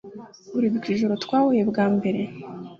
Uribuka ijoro twahuye bwa mbere?